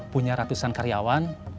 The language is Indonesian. punya ratusan karyawan